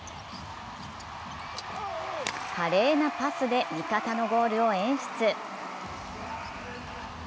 華麗なパスで味方のゴールを演出。